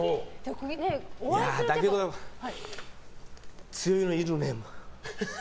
だけど、強いのもいるね。